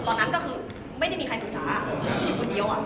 ตอนนั้นก็ไม่ได้มีใครแค่ผมคนเดี๋ยว